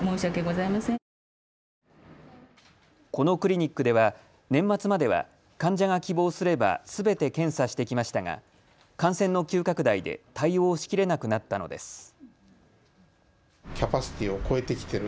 このクリニックでは年末までは患者が希望すればすべて検査してきましたが感染の急拡大で対応しきれなくなったのです。